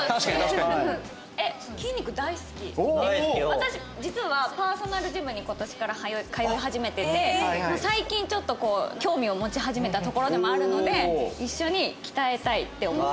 私実はパーソナルジムに今年から通い始めてて最近ちょっと興味を持ち始めたところでもあるので一緒に鍛えたいって思って。